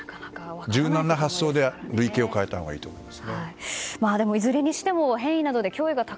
柔軟な発想で類型を変えたほうがいいと思います。